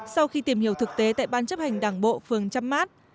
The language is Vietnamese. sau khi tìm hiểu thực tế tại ban chấp hành đảng bộ phường trăm mát